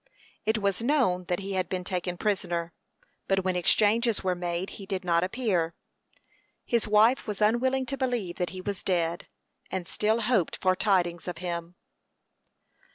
It was known that he had been taken prisoner, but when exchanges were made he did not appear. His wife was unwilling to believe that he was dead, and still hoped for tidings of him.